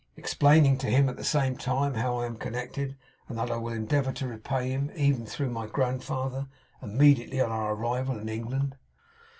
Explaining to him at the same time how I am connected, and that I will endeavour to repay him, even through my grandfather, immediately on our arrival in England?